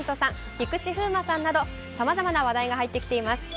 菊池風磨さんなどさまざまな話題が入ってきています。